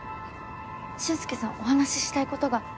俊介さんお話したいことが。